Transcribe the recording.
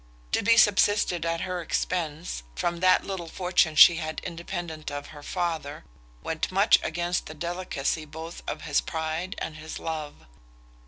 To be subsisted at her expense, from that little fortune she had independent of her father, went much against the delicacy both of his pride and his love.